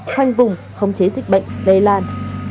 khoanh vùng khống chế dịch bệnh lê lan